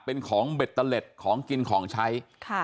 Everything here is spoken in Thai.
เป็นของเบ็ดตะเล็ดของกินของใช้ค่ะ